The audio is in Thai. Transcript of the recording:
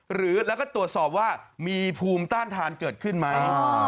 หรือแล้วก็ตรวจสอบว่ามีภูมิต้านทานเกิดขึ้นไหม